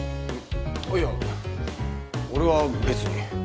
あっいや俺は別に。